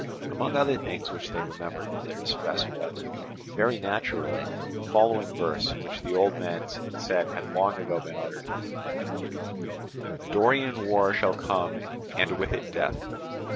Among other things which they remembered in their distress was, very naturally, the following verse which the old men said had long ago been uttered: A Dorian war shall come and with it death.